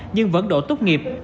nhưng vẫn đổ tốt nghiệp